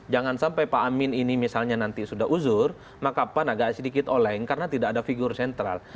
jangan sampai pak amin ini misalnya nanti sudah uzur maka pan agak sedikit oleng karena tidak ada figur sentral